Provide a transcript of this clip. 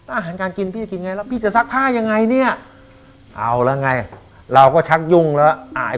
อาหารการกินพี่จะกินไงแล้วพี่จะซักผ้ายังไงเนี่ยเอาแล้วไงเราก็ชักยุ่งแล้วอาย